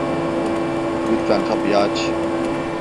Lütfen kapıyı aç!